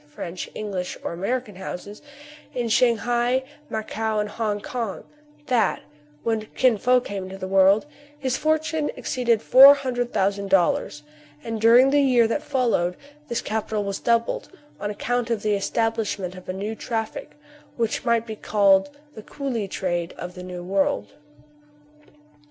17 French, English, or American houses, in Shang hai, Macao, and Hong Kong, that, when Kin Fo came into the world, his fortune exceeded four hundred thousand dollars ; and, during the years that followed, this capital was doubled, on account of the establishment of a new traffic, which might be called the coolie trade of the New World.'